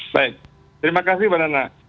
baik terima kasih bapak nenak